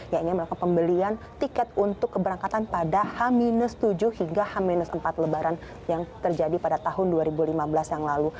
yang ingin melakukan pembelian tiket untuk keberangkatan pada h tujuh hingga h empat lebaran yang terjadi pada tahun dua ribu lima belas yang lalu